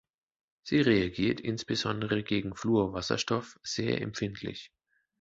Sie reagiert insbesondere gegen Fluorwasserstoff sehr empfindlich.